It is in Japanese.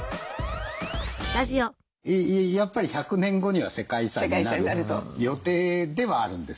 やっぱり１００年後には世界遺産になる予定ではあるんです。